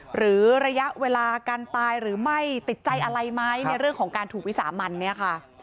หรือระยะเวลาการตายหรือไม่ติดใจอะไรไหมในเรื่องของการถูกวิสามันเนี่ยค่ะ